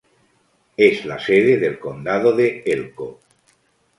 Es la sede del Condado de Elko.